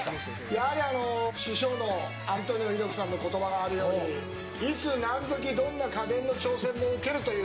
やはり師匠のアントニオ猪木さんの言葉にあるようにいつ何時どんな家電の挑戦も受けるという